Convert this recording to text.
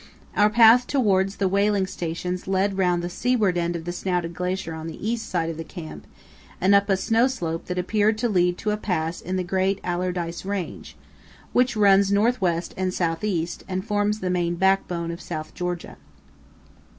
Our path towards the whaling stations led round the seaward end of the snouted glacier on the east side of the camp and up a snow slope that appeared to lead to a pass in the great Allardyce Range, which runs north west and south east and forms the main backbone of South Georgia.